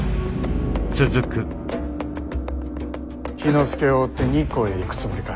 氷ノ介を追って日光へ行くつもりか？